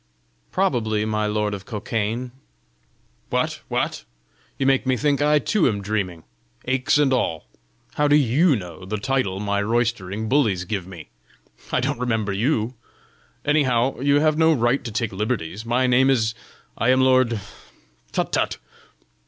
"Probably, my lord of Cokayne!" "What! what! You make me think I too am dreaming aches and all! How do YOU know the title my roistering bullies give me? I don't remember you! Anyhow, you have no right to take liberties! My name is I am lord tut, tut!